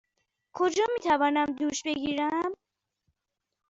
کجا می توانم دوش بگیرم؟